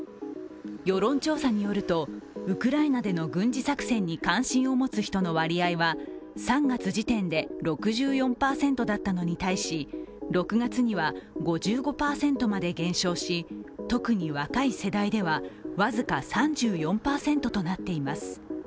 世論調査によると、ウクライナでの軍事作戦に関心を持つ人の割合は３月時点で６４％だったのに対し６月には５５％まで減少し、特に若い世代では僅か３４％となっています。